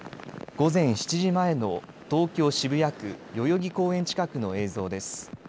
午前７時前の東京渋谷区、代々木公園近くの映像です。